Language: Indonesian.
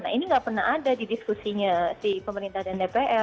nah ini nggak pernah ada di diskusinya si pemerintah dan dpr